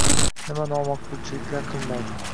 Nima noma’qulchiliklar qilmaydi!..